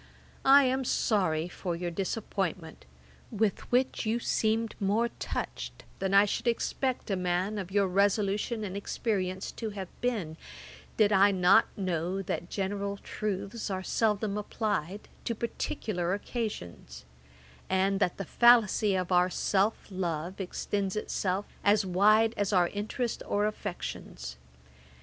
I am sorry for your disappointment, with which you seem more touched than I should expect a man of your resolution and experience to have been, did I not know that general truths are seldom applied to particular occasions; and that the fallacy of our self love extends itself as wide as our interest or affections.